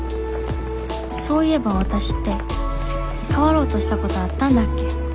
そういえばわたしって変わろうとしたことあったんだっけ？